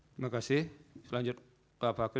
terima kasih selanjut pak pak hry